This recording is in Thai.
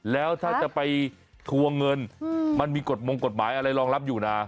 แล้วถ้าจะไปทวงเงินมันมีกฎมงกฎหมายอะไรรองรับอยู่นะ